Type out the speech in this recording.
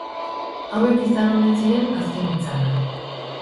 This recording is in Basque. Hauek izan omen ziren azken hitzak.